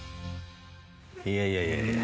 いやいやいやいや。